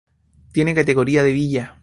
Tiene categoría de villa.